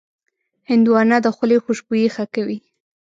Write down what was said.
هندوانه د خولې خوشبويي ښه کوي.